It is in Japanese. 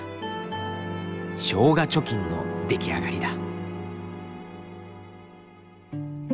「しょうが貯金」の出来上がりだ。